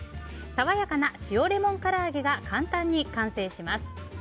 爽やかな塩レモンから揚げが簡単に完成します。